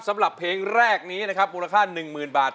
สำหรับเพลงแรกนี้นะครับมูลค่า๑๐๐๐บาท